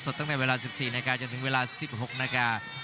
วันนี้ดังนั้นก็จะเป็นรายการมวยไทยสามยกที่มีความสนุกความสนุกความเดือดนะครับ